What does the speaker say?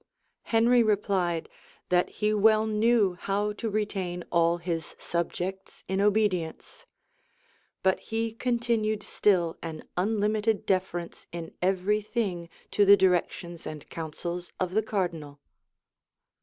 Henry replied, "that he well knew how to retain all his subjects in obedience;" but he continued still an unlimited deference in every thing to the directions and counsels of the cardinal.